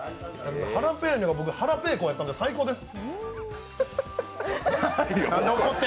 ハラペーニョがハラペーコだったんで最高です。